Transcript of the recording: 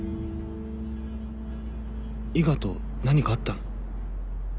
伊賀と何かあったの？